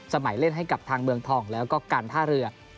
เล่นให้กับทางเมืองทองแล้วก็การท่าเรือ